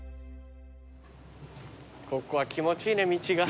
ここは気持ちいいね道が。